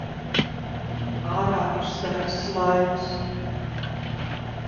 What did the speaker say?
Ārā ir skaists laiks.